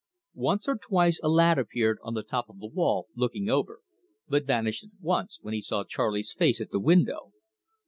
Once or twice a lad appeared on the top of the wall, looking over, but vanished at once when he saw Charley's face at the window.